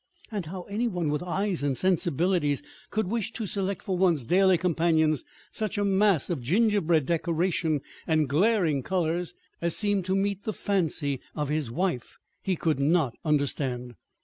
And how any one with eyes and sensibilities could wish to select for one's daily companions such a mass of gingerbread decoration and glaring colors as seemed to meet the fancy of his wife, he could not understand.